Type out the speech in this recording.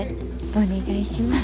お願いします。